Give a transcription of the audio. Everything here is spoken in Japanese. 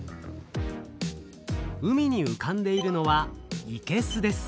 海にうかんでいるのは「いけす」です。